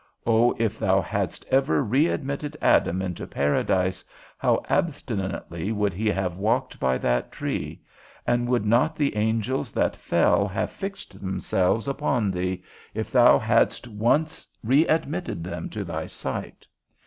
O, if thou hadst ever readmitted Adam into Paradise, how abstinently would he have walked by that tree! And would not the angels that fell have fixed themselves upon thee, if thou hadst once readmitted them to thy sight?